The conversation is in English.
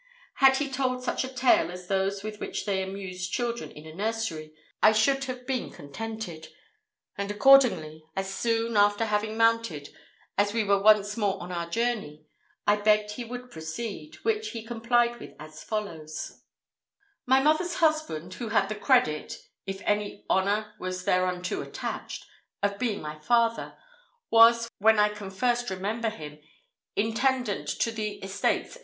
Had he told such a tale as those with which they amuse children in a nursery, I should have been contented; and accordingly, as soon, after having mounted, as we were once more on our journey, I begged he would proceed, which he complied with as follows: "My mother's husband, who had the credit if any honour was thereunto attached of being my father, was, when I can first remember him, intendant to the estates of M.